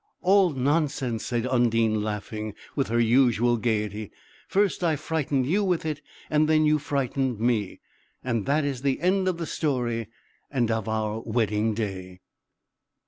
"All nonsense!" said Undine, laughing, with her usual gayety. "First I frightened you with it, and then you frightened me. And that is the end of the story, and of our wedding day!"